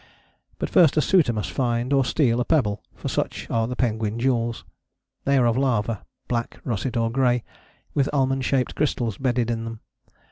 But first a suitor must find, or steal, a pebble, for such are the penguin jewels: they are of lava, black, russet or grey, with almond shaped crystals bedded in them.